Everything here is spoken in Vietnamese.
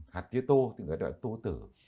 hạt tía tô thì gọi là tía tô tử